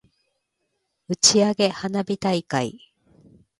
打ち上げ花火大会